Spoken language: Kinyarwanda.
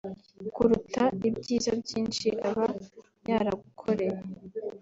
kuruta ibyiza byinshi aba yaragukoreye